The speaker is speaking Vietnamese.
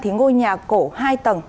ngôi nhà cổ hai tầng